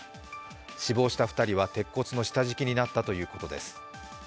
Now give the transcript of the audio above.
死亡した２人は鉄骨の下敷きになったということです。